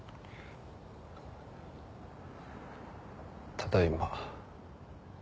ただいま。